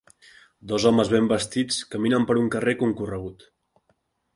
Dos homes ben vestits caminen per un carrer concorregut.